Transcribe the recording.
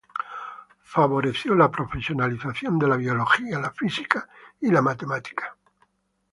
Favoreció la profesionalización de la Biología, la Física y la Matemática.